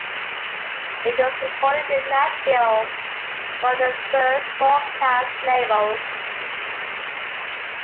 It was recorded in Nashville for the Verve Forecast label.